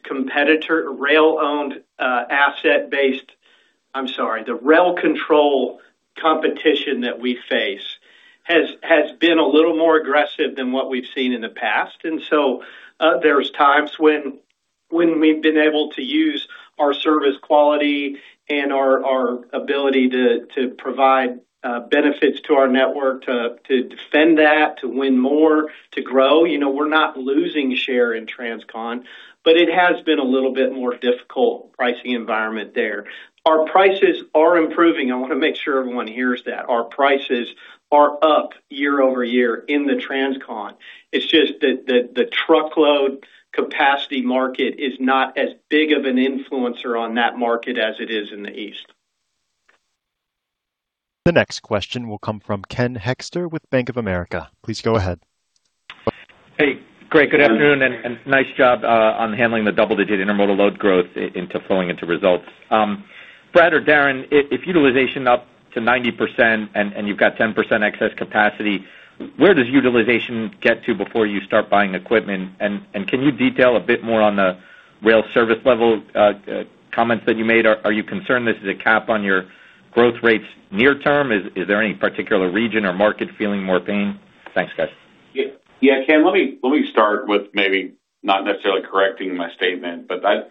asset-based, I'm sorry. The rail control competition that we face has been a little more aggressive than what we've seen in the past. There's times when we've been able to use our service quality and our ability to provide benefits to our network to defend that, to win more, to grow. We're not losing share in transcon, but it has been a little bit more difficult pricing environment there. Our prices are improving. I want to make sure everyone hears that. Our prices are up year-over-year in the transcon. It's just that the truckload capacity market is not as big of an influencer on that market as it is in the East. The next question will come from Ken Hoexter with Bank of America. Please go ahead. Hey, great. Good afternoon, nice job on handling the double-digit Intermodal load growth into flowing into results. Brad or Darren, if utilization up to 90% and you've got 10% excess capacity, where does utilization get to before you start buying equipment? Can you detail a bit more on the rail service level comments that you made? Are you concerned this is a cap on your growth rates near term? Is there any particular region or market feeling more pain? Thanks, guys. Yeah, Ken, let me start with maybe not necessarily correcting my statement, but I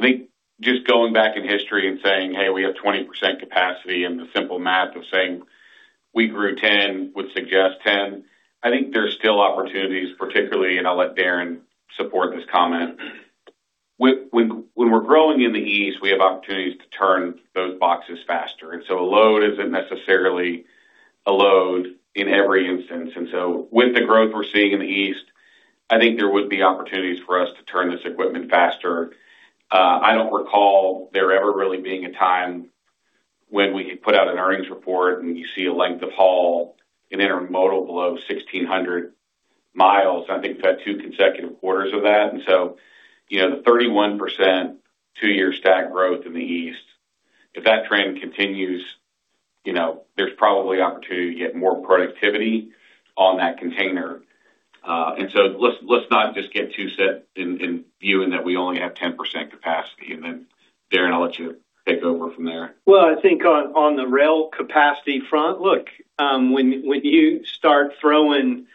think just going back in history and saying, "Hey, we have 20% capacity," and the simple math of saying we grew 10% would suggest 10%. I think there's still opportunities, particularly, and I'll let Darren support this comment. When we're growing in the East, we have opportunities to turn those boxes faster. A load isn't necessarily a load in every instance. With the growth we're seeing in the East, I think there would be opportunities for us to turn this equipment faster. I don't recall there ever really being a time when we could put out an earnings report and you see a length of haul in Intermodal below 1,600 mi. I think we've had two consecutive quarters of that, the 31% two-year stack growth in the East, if that trend continues, there's probably opportunity to get more productivity on that container. Let's not just get too set in viewing that we only have 10% capacity. Darren, I'll let you take over from there. Well, I think on the rail capacity front, look, when you start throwing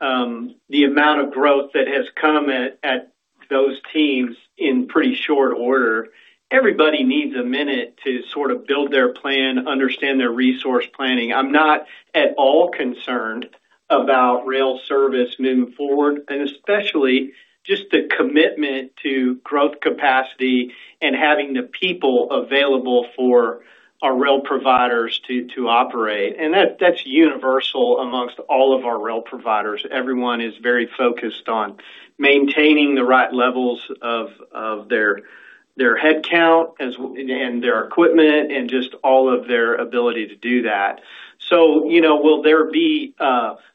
the amount of growth that has come at those teams in pretty short order, everybody needs a minute to sort of build their plan, understand their resource planning. I'm not at all concerned about rail service moving forward, and especially just the commitment to growth capacity and having the people available for our rail providers to operate. That's universal amongst all of our rail providers. Everyone is very focused on maintaining the right levels of their headcount, and their equipment, and just all of their ability to do that. Will there be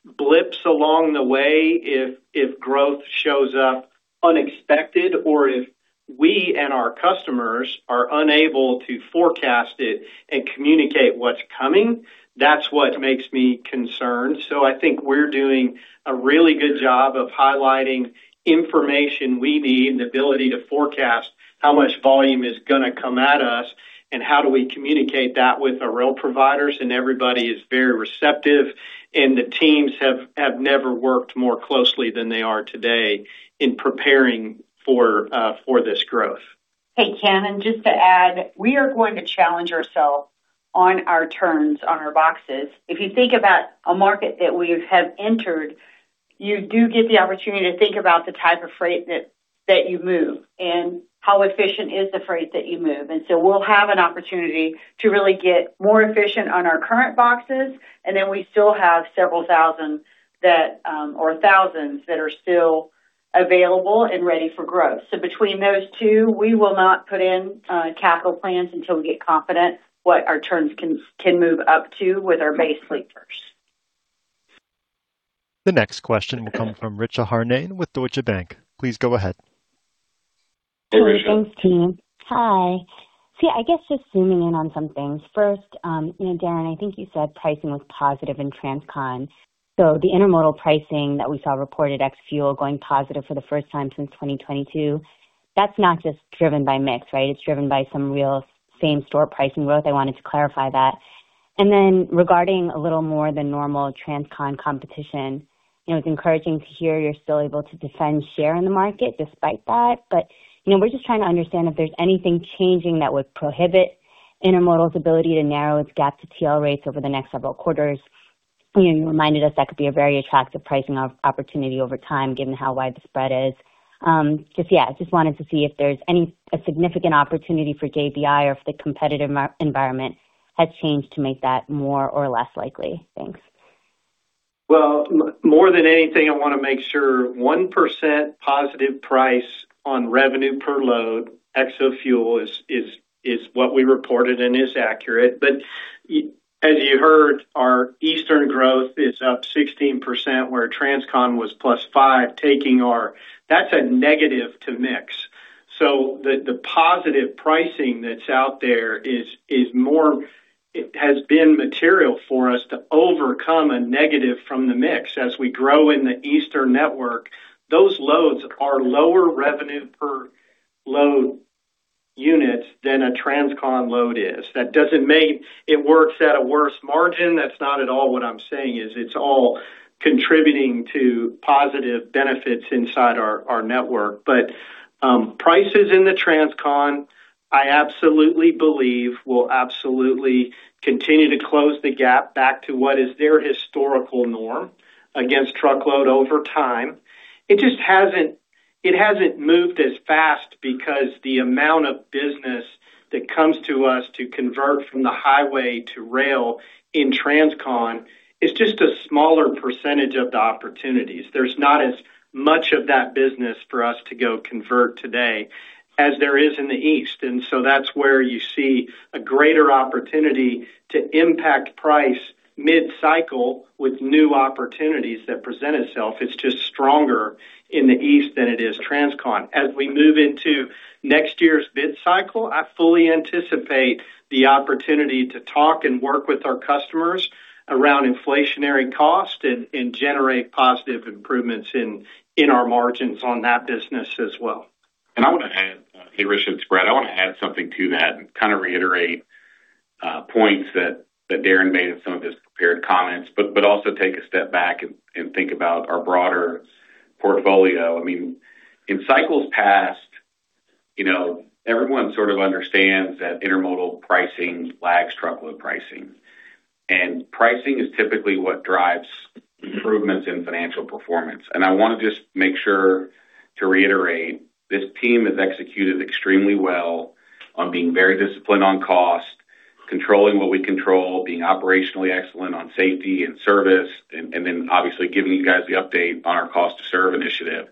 blips along the way if growth shows up unexpected or if we and our customers are unable to forecast it and communicate what's coming? That's what makes me concerned. I think we're doing a really good job of highlighting information we need and the ability to forecast how much volume is going to come at us. How do we communicate that with our rail providers? Everybody is very receptive, and the teams have never worked more closely than they are today in preparing for this growth. Hey, Ken, just to add, we are going to challenge ourselves on our turns on our boxes. If you think about a market that we have entered, you do get the opportunity to think about the type of freight that you move and how efficient is the freight that you move. We'll have an opportunity to really get more efficient on our current boxes, and then we still have several thousands that, or thousands that are still available and ready for growth. Between those two, we will not put in capital plans until we get confident what our turns can move up to with our existing fleet. The next question will come from Richa Harnain with Deutsche Bank. Please go ahead. Hey, Richa. Thanks, team. Hi. I guess just zooming in on some things. First, Darren, I think you said pricing was positive in transcon. The Intermodal pricing that we saw reported ex fuel going positive for the first time since 2022, that's not just driven by mix, right? It's driven by some real same-store pricing growth. I wanted to clarify that. Regarding a little more than normal transcon competition, it's encouraging to hear you're still able to defend share in the market despite that. We're just trying to understand if there's anything changing that would prohibit Intermodal's ability to narrow its gap to TL rates over the next several quarters. You reminded us that could be a very attractive pricing opportunity over time, given how wide the spread is. Wanted to see if there's a significant opportunity for JBI or if the competitive environment has changed to make that more or less likely. Thanks. More than anything, I want to make sure 1% positive price on revenue per load, ex of fuel, is what we reported and is accurate. As you heard, our eastern growth is up 16%, where transcon was +5%. That's a negative to mix. The positive pricing that's out there has been material for us to overcome a negative from the mix. As we grow in the eastern network, those loads are lower revenue per load units than a transcon load is. That doesn't mean it works at a worse margin. That's not at all what I'm saying is it's all contributing to positive benefits inside our network. Prices in the transcon, I absolutely believe will absolutely continue to close the gap back to what is their historical norm against truckload over time. It hasn't moved as fast because the amount of business that comes to us to convert from the highway to rail in transcon is just a smaller percentage of the opportunities. There's not as much of that business for us to go convert today as there is in the east. That's where you see a greater opportunity to impact price mid-cycle with new opportunities that present itself. It's just stronger in the east than it is transcon. As we move into next year's bid cycle, I fully anticipate the opportunity to talk and work with our customers around inflationary cost and generate positive improvements in our margins on that business as well. I want to add, hey, Richa its Brad, I want to add something to that and kind of reiterate points that Darren made in some of his prepared comments, but also take a step back and think about our broader portfolio. In cycles past, everyone sort of understands that Intermodal pricing lags truckload pricing. Pricing is typically what drives improvements in financial performance. I want to just make sure to reiterate, this team has executed extremely well on being very disciplined on cost, controlling what we control, being operationally excellent on safety and service, then obviously giving you guys the update on our cost to serve initiative.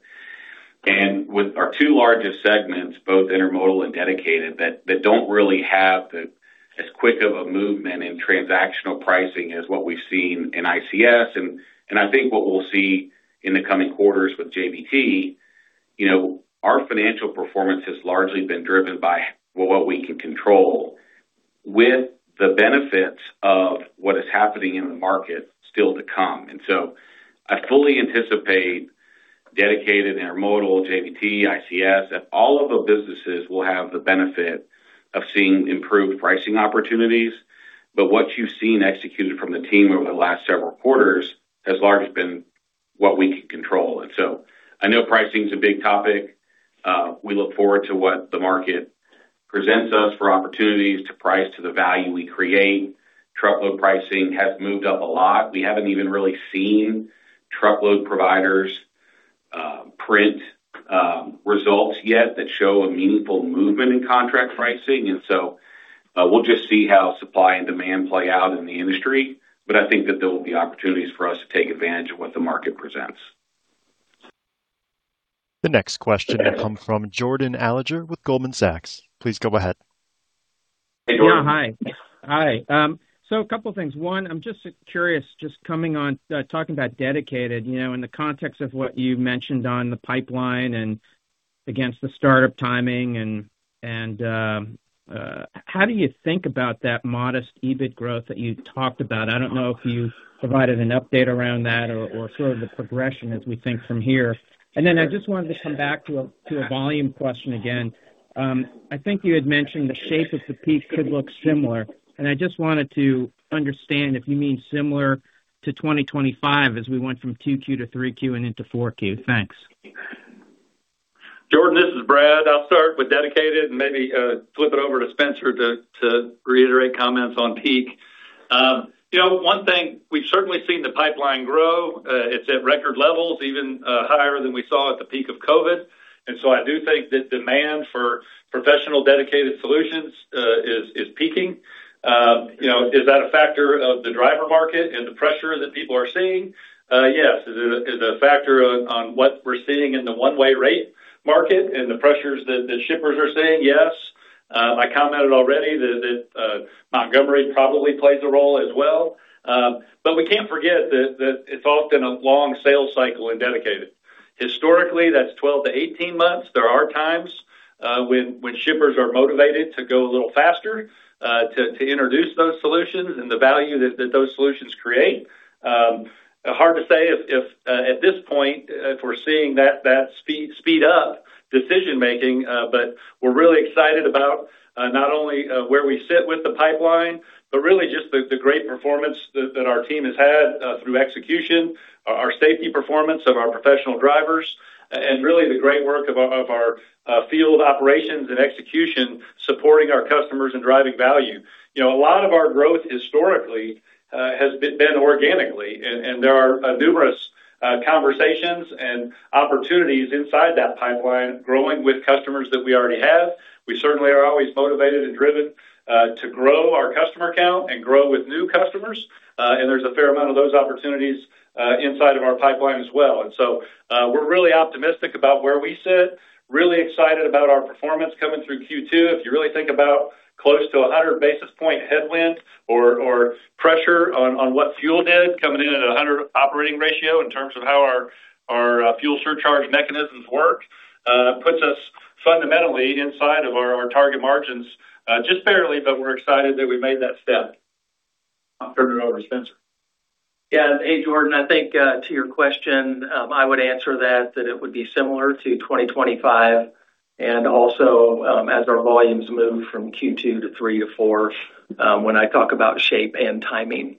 With our two largest segments, both Intermodal and Dedicated, that don't really have as quick of a movement in transactional pricing as what we've seen in ICS, I think what we'll see in the coming quarters with JBT, our financial performance has largely been driven by what we can control with the benefits of what is happening in the market still to come. I fully anticipate Dedicated, Intermodal, JBT, ICS, that all of the businesses will have the benefit of seeing improved pricing opportunities. What you've seen executed from the team over the last several quarters has largely been what we can control. I know pricing is a big topic. We look forward to what the market presents us for opportunities to price to the value we create. Truckload pricing has moved up a lot. We haven't even really seen truckload providers print results yet that show a meaningful movement in contract pricing, we'll just see how supply and demand play out in the industry. I think that there will be opportunities for us to take advantage of what the market presents. The next question will come from Jordan Alliger with Goldman Sachs. Please go ahead. Hey, Jordan. Hi. So a couple of things. One, I'm just curious, just coming on talking about Dedicated, in the context of what you mentioned on the pipeline and Against the startup timing and how do you think about that modest EBIT growth that you talked about? I don't know if you provided an update around that or sort of the progression as we think from here. I just wanted to come back to a volume question again. I think you had mentioned the shape of the peak could look similar, and I just wanted to understand if you mean similar to 2025 as we went from 2Q to 3Q and into 4Q. Thanks. Jordan, this is Brad. I'll start with Dedicated and maybe flip it over to Spencer to reiterate comments on peak. We've certainly seen the pipeline grow. It's at record levels, even higher than we saw at the peak of COVID. I do think that demand for professional Dedicated solutions is peaking. Is that a factor of the driver market and the pressure that people are seeing? Yes. Is it a factor on what we're seeing in the one-way rate market and the pressures that shippers are seeing? Yes. I commented already that Montgomery probably plays a role as well. We can't forget that it's often a long sales cycle in Dedicated. Historically, that's 12-18 months. There are times when shippers are motivated to go a little faster to introduce those solutions and the value that those solutions create. Hard to say if at this point, if we're seeing that speed up decision-making. We're really excited about not only where we sit with the pipeline, but really just the great performance that our team has had through execution, our safety performance of our professional drivers, and really the great work of our field operations and execution supporting our customers and driving value. A lot of our growth historically has been organically, and there are numerous conversations and opportunities inside that pipeline growing with customers that we already have. We certainly are always motivated and driven to grow our customer count and grow with new customers. There's a fair amount of those opportunities inside of our pipeline as well. We're really optimistic about where we sit, really excited about our performance coming through Q2. If you really think about close to 100 basis point headwind or pressure on what fuel did coming in at 100 operating ratio in terms of how our fuel surcharge mechanisms work puts us fundamentally inside of our target margins, just barely, but we're excited that we made that step. I'll turn it over to Spencer. Hey, Jordan. I think, to your question, I would answer that it would be similar to 2025 and also as our volumes move from Q2 to Q3 to Q4 when I talk about shape and timing.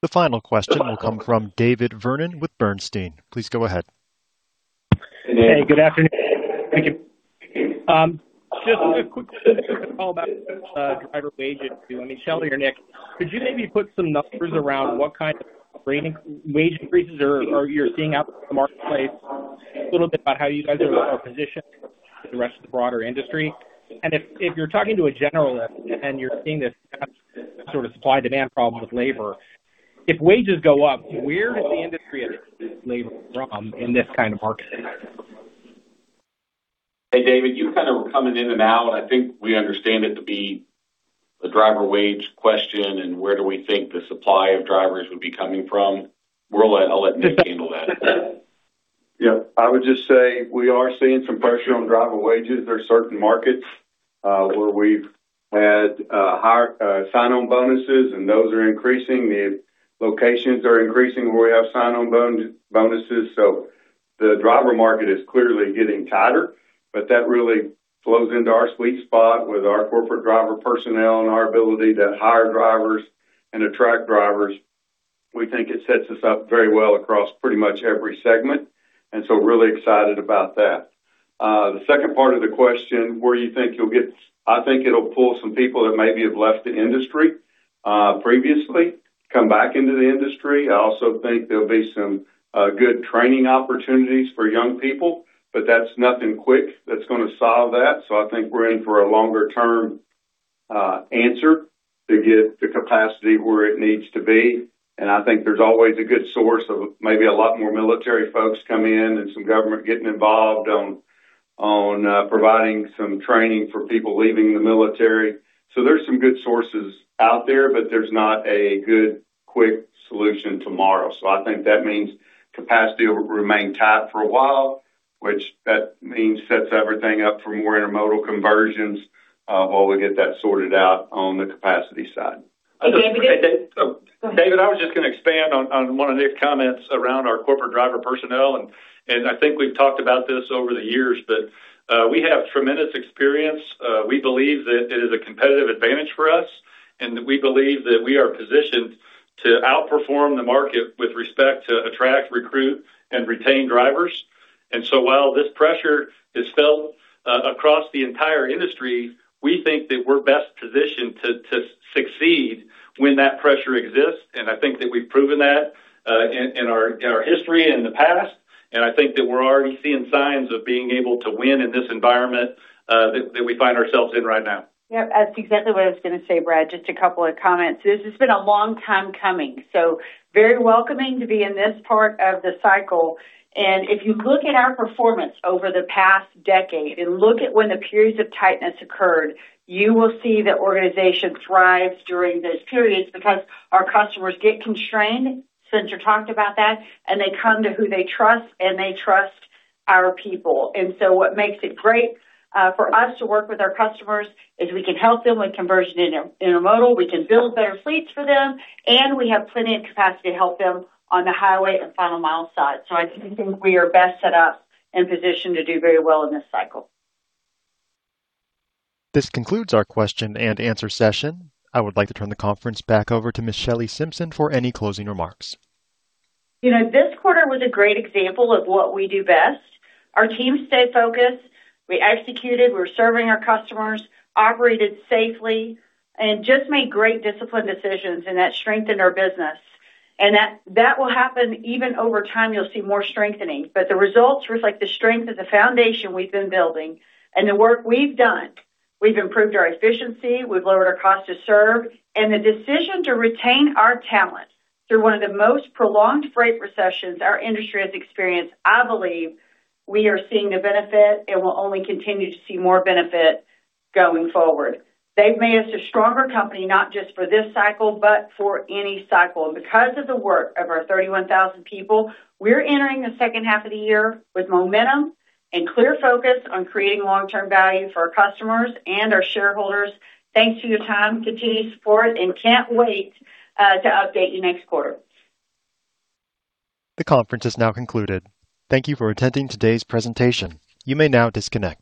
The final question will come from David Vernon with Bernstein. Please go ahead. Hey, good afternoon. Thank you. Just a quick call back, driver wage issue. I mean, Shelley or Nick, could you maybe put some numbers around what kind of wage increases are you seeing out in the marketplace? A little bit about how you guys are positioned with the rest of the broader industry. If you're talking to a generalist and you're seeing this sort of supply-demand problem with labor, if wages go up, where is the industry going to get this labor from in this kind of market? Hey, David, you kind of were coming in and out. I think we understand it to be the driver wage question and where do we think the supply of drivers would be coming from. I'll let Nick handle that. Yeah, I would just say we are seeing some pressure on driver wages. There are certain markets where we've had higher sign-on bonuses, and those are increasing. The locations are increasing where we have sign-on bonuses. The driver market is clearly getting tighter, but that really flows into our sweet spot with our corporate driver personnel and our ability to hire drivers and attract drivers. We think it sets us up very well across pretty much every segment. Really excited about that. The second part of the question, I think it'll pull some people that maybe have left the industry previously come back into the industry. I also think there'll be some good training opportunities for young people, but that's nothing quick that's going to solve that. I think we're in for a longer-term answer to get the capacity where it needs to be. I think there's always a good source of maybe a lot more military folks come in and some government getting involved on providing some training for people leaving the military. There's some good sources out there, but there's not a good quick solution tomorrow. I think that means capacity will remain tight for a while, which that means sets everything up for more intermodal conversions while we get that sorted out on the capacity side. David, I was just going to expand on one of Nick's comments around our corporate driver personnel, and I think we've talked about this over the years, but we have tremendous experience. We believe that it is a competitive advantage for us, and that we believe that we are positioned to outperform the market with respect to attract, recruit, and retain drivers. While this pressure is felt across the entire industry, we think that we're best positioned to succeed when that pressure exists, and I think that we've proven that in our history and the past, and I think that we're already seeing signs of being able to win in this environment that we find ourselves in right now. Yeah, that's exactly what I was going to say, Brad. Just a couple of comments. This has been a long time coming, very welcoming to be in this part of the cycle. If you look at our performance over the past decade and look at when the periods of tightness occurred, you will see the organization thrives during those periods because our customers get constrained. Spencer talked about that, they come to who they trust, and they trust our people. What makes it great for us to work with our customers is we can help them with conversion in intermodal, we can build better fleets for them, and we have plenty of capacity to help them on the highway and Final Mile side. I think we are best set up and positioned to do very well in this cycle. This concludes our question-and-answer session. I would like to turn the conference back over to Ms. Shelley Simpson for any closing remarks. This quarter was a great example of what we do best. Our team stayed focused. We executed, we're serving our customers, operated safely, and just made great disciplined decisions, that strengthened our business. That will happen even over time, you'll see more strengthening. The results reflect the strength of the foundation we've been building and the work we've done. We've improved our efficiency, we've lowered our cost to serve, the decision to retain our talent through one of the most prolonged freight recessions our industry has experienced, I believe we are seeing the benefit and will only continue to see more benefit going forward. They've made us a stronger company, not just for this cycle, but for any cycle. Because of the work of our 31,000 people, we're entering the second half of the year with momentum and clear focus on creating long-term value for our customers and our shareholders. Thanks for your time, continued support, and can't wait to update you next quarter. The conference is now concluded. Thank you for attending today's presentation. You may now disconnect.